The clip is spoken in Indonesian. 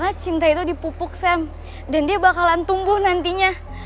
sampai jumpa di video selanjutnya